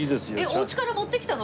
お家から持ってきたの？